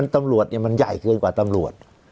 ตำรวจมันใหญ่เกินกว่าตำรวจ